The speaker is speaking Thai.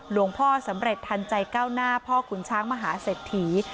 หลวงพ่อสำเร็จทันใจก้าวหน้าพ่อขุนช้างมหาเศรษฐี